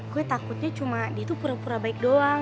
gue takutnya cuma dia tuh pura pura baik doang